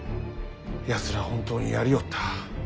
やつら本当にやりおった。